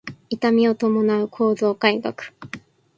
痛みを伴う構造改革